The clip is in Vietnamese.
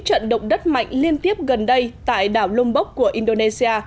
trận động đất mạnh liên tiếp gần đây tại đảo lonbok của indonesia